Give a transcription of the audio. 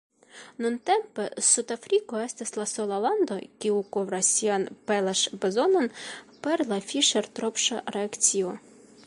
Nuntempe Sudafriko estas la sola lando, kiu kovras sian pelaĵ-bezonon per la Fiŝer-Tropŝa reakcio.